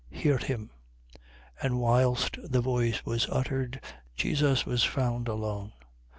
Hear him. 9:36. And whilst the voice was uttered Jesus was found alone.